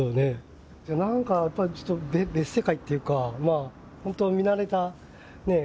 何かやっぱりちょっと別世界というかまあほんと見慣れたね